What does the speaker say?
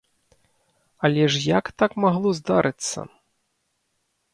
Але ж як так магло здарыцца?